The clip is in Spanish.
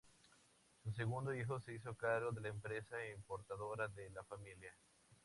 Su segundo hijo se hizo cargo de la empresa importadora de la familia.